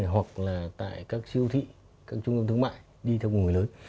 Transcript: hoặc là tại các siêu thị các trung tâm thương mại đi theo cùng người lớn